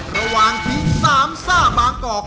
ระหว่างทีมสามซ่าบางกอก